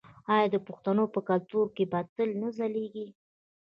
آیا د پښتنو کلتور به تل نه ځلیږي؟